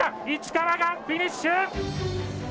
市川がフィニッシュ！